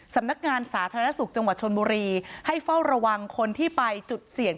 สำนักงานสาธารณสุขจังหวัดชนบุรีให้เฝ้าระวังคนที่ไปจุดเสี่ยง